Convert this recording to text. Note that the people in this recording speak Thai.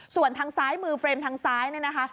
ส่วนทางซ้ายมือเฟรมทางซ้ายเนี่ยนะคะ